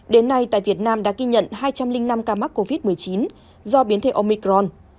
đến nay tại việt nam đã ghi nhận hai trăm linh năm ca mắc covid một mươi chín do biến thể omicron